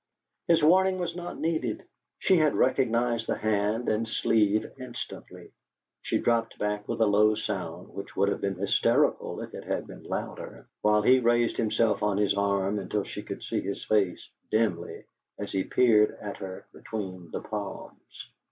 His warning was not needed; she had recognized the hand and sleeve instantly. She dropped back with a low sound which would have been hysterical if it had been louder, while he raised himself on his arm until she could see his face dimly, as he peered at her between the palms.